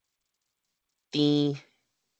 蹬